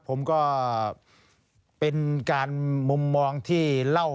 ผมก็เป็นการมุมมองที่เล่า